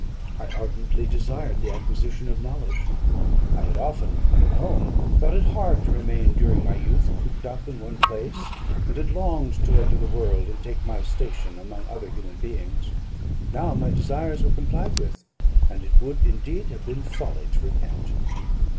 I ardently desired the acquisition of knowledge. I had often, when at home, thought it hard to remain during my youth cooped up in one place, and had longed to enter the world, and take my station among other human beings. Now my desires were complied with, and it would, indeed, have been folly to repent.